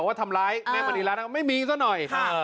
ว่าทำร้ายแม่มณีรัฐไม่มีซะหน่อย